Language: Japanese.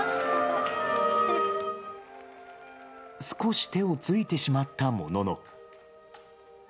少し手をついてしまったものの。